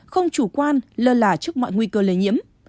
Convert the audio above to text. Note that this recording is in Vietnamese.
không chủ quan lơ là trước mọi nguy cơ lây nhiễm